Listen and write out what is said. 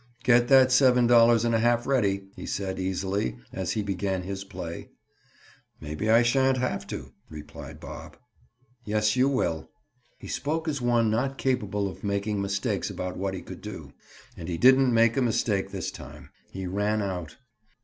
"Get that seven dollars and a half ready," he said easily as he began his play. "Maybe I shan't have to," replied Bob. "Yes, you will." He spoke as one not capable of making mistakes about what he could do. And he didn't make a mistake this time. He ran out.